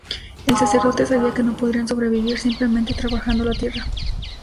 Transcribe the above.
El sacerdote sabía que no podrían sobrevivir simplemente trabajando la tierra.